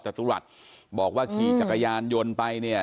จตุรัสบอกว่าขี่จักรยานยนต์ไปเนี่ย